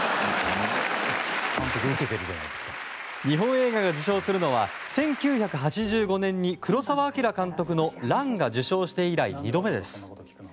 日本映画が受賞するのは１９８５年に黒澤明監督の「乱」が受賞して以来２度目です。